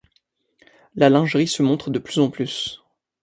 La lingerie se montre de plus en plus.